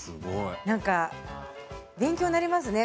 勉強になりますね。